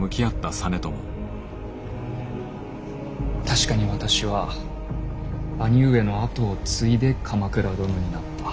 確かに私は兄上の跡を継いで鎌倉殿になった。